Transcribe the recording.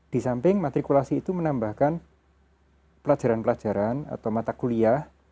di samping matrikulasi itu menambahkan pelajaran pelajaran atau mata kuliah